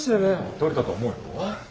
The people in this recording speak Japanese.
撮れたと思うよ。